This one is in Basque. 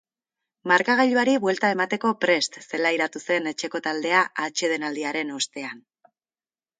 Markagailuari buelta emateko prest zelairatu zen etxeko taldea atsedenaldiaren ostean.